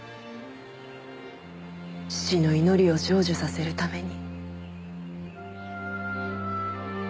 父の祈りを成就させるために。